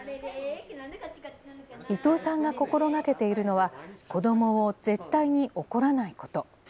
伊藤さんが心がけているのは、子どもを絶対に怒らないこと。